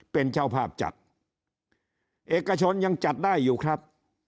เป็นเจ้าภาพจัดเอกชนยังจัดได้อยู่ครับ